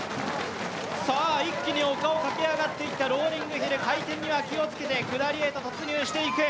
一気に丘を駆け上がっていった、ローリングヒル、回転には気をつけて、下りへと突入していく。